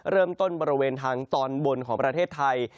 บริเวณทางตอนบนของประเทศไทย